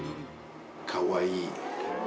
かわいい。